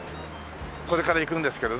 「これから行くんですけど」。